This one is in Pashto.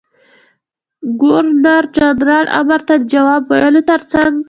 ګورنر جنرال امر ته د جواب ویلو تر څنګ.